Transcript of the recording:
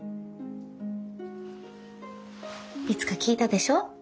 いつか聞いたでしょ？